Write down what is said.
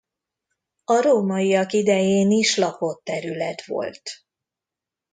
A rómaiak idején is lakott terület volt.